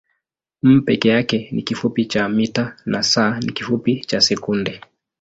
m peke yake ni kifupi cha mita na s ni kifupi cha sekunde.